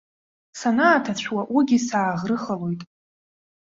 Санааҭацәуа уигьы сааӷрыхалоит.